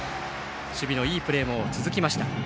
守備のいいプレーも続きました。